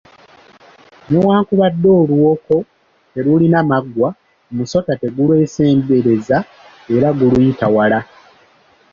Newankubadde oluwoko telulina maggwa, omusota tegulwesembereza era guluyita wala.